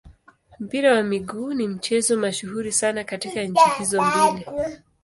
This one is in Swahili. Mpira wa miguu ni mchezo mashuhuri sana katika nchi hizo mbili.